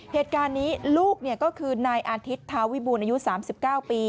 เหตุการณ์นี้ลูกก็คือนายอาทิตย์ทาวิบูรณอายุ๓๙ปี